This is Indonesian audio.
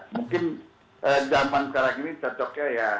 mungkin zaman sekarang ini cocoknya ya